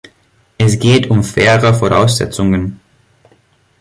Es geht um faire Voraussetzungen.